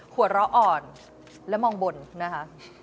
หัวเราะอ่อนและมองบนนะคะ